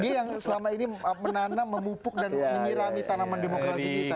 dia yang selama ini menanam memupuk dan menyirami tanaman demokrasi kita